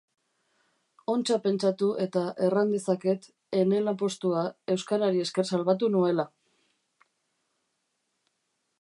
Ontsa pentsatu eta, erran dezaket ene lanpostua euskarari esker salbatu nuela!